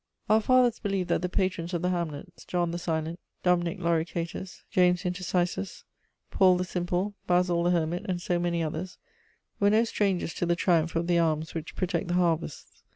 Our fathers believed that the patrons of the hamlets, John "the Silent," Dominic "Loricatus," James "Intercisus," Paul "the Simple," Basil "the Hermit," and so many others, were no strangers to the triumph of the arms which protect the harvests.